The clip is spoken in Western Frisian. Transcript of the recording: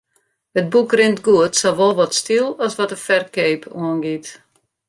It boek rint goed, sawol wat styl as wat de ferkeap oangiet.